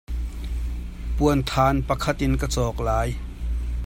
Puanthan pakhat in ka cawk lai.